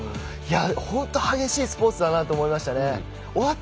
本当に激しいスポーツだなと思いました。